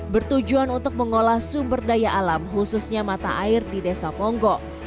bertujuan untuk mengolah sumper daya alam hususnya mata air di desa ponggok